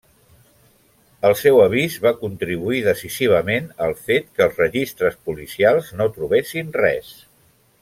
El seu avís va contribuir decisivament al fet que els registres policials no trobessin res.